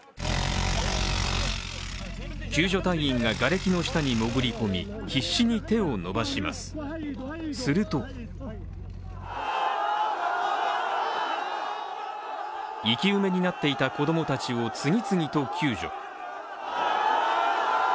救助隊員ががれきの下に潜り込み必死に手を伸ばします、すると生き埋めになっていた子供たちを次々と救助。